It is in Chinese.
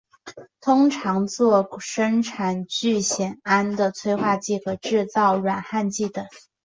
通常作生产聚酰胺的催化剂和制造软焊剂等。